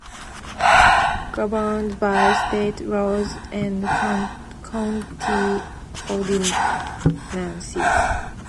Governed by state laws and county ordinances.